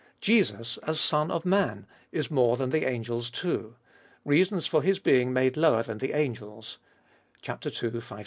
Jesus, as Son of Man, is more than the angels too. Reasons for His being made lower than the angels (ii.